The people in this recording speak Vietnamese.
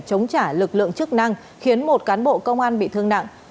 chống trả lực lượng chức năng khiến một cán bộ công an bị thương nặng